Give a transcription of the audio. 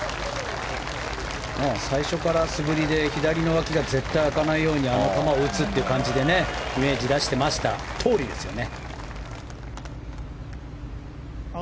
最初から素振りで左のわきが絶対に明かないようにあの球を打つという感じでイメージを出していたとおりですよね。